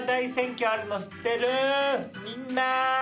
みんな！